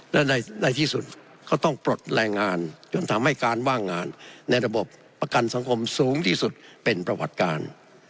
และในที่สุดก็ต้องปลดแรงงานจนทำให้การว่างงานในระบบประกันสังคมสูงที่สุดเป็นประวัติการ